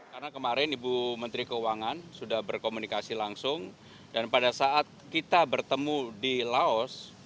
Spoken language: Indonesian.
karena kemarin ibu menteri keuangan sudah berkomunikasi langsung dan pada saat kita bertemu di laos